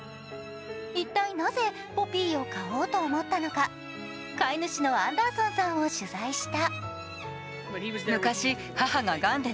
一体なぜ、ポピーを飼おうと思ったのか飼い主のアンダーソンさんを取材した。